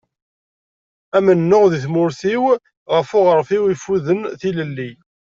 Amennuɣ deg tmurt-iw, ɣef uɣref-iw yeffuden tilelli.